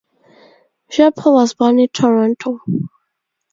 Chappell was born in Toronto.